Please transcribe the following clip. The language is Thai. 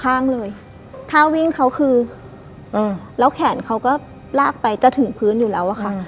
ข้างเลยถ้าวิ่งเขาคือแล้วแขนเขาก็ลากไปจะถึงพื้นอยู่แล้วอะค่ะ